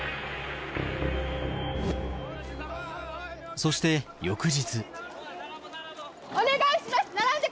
そして翌日。